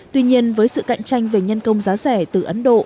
tuy nhiên với sự cạnh tranh về nhân công giá rẻ từ ấn độ